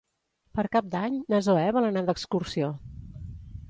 Per Cap d'Any na Zoè vol anar d'excursió.